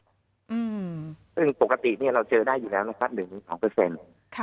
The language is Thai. ซึ่งปกติเราเชื่อได้อยู่แล้ว๑๒เปอร์เซ็นต์